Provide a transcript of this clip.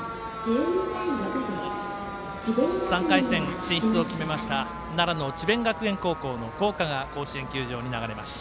３回戦進出を決めました奈良の智弁学園の校歌が甲子園球場に流れます。